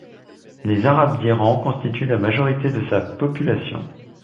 Les Arabes d'Iran constituent la majorité de sa population.